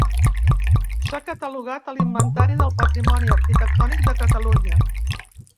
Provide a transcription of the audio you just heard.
S'ha catalogat a l'Inventari del Patrimoni Arquitectònic de Catalunya.